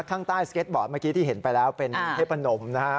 ข้างใต้สเก็ตบอร์ดเมื่อกี้ที่เห็นไปแล้วเป็นเทพนมนะฮะ